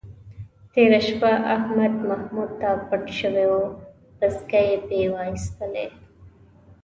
تېره شپه احمد محمود ته پټ شوی و، پسکې یې پې وایستلی.